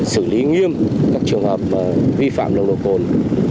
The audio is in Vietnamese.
xử lý nghiêm các trường hợp vi phạm nồng độ cồn